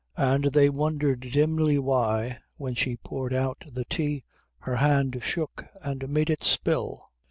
And they wondered dimly why, when she poured out the tea, her hand shook and made it spill.